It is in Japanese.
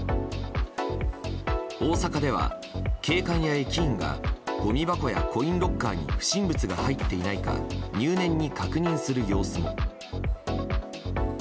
大阪では警官や駅員がごみ箱やコインロッカーに不審物が入っていないか入念に確認する様子が。